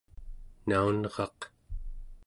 naunraq